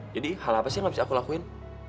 jadi hal apa sih yang gak bisa aku lakuin